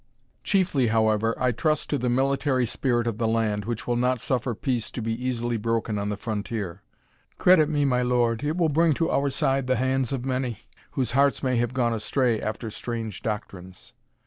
Chiefly, however, I trust to the military spirit of the land, which will not suffer peace to be easily broken on the frontier. Credit me, my lord, it will bring to our side the hands of many, whose hearts may have gone astray after strange doctrines.